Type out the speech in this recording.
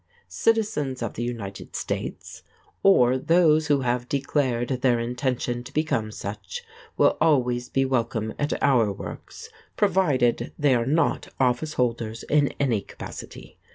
Citizens of the United States, or those who have declared their intention to become such, will always be welcome at our works, provided they are not office holders in any capacity.